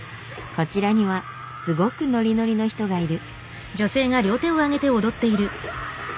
こちらにはすごくノリノリの人がいる。